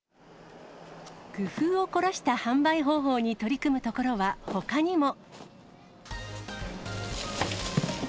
工夫を凝らした販売方法に取り組むところはほかにも。